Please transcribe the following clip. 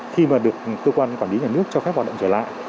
khi mà được cơ quan quản lý nhà nước cho phép hoạt động trở lại